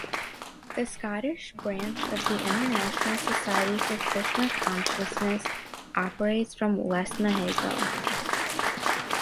The Scottish branch of the International Society for Krishna Consciousness operates from Lesmahagow.